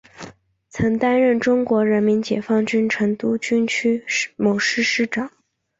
曾担任中国人民解放军成都军区某师师长。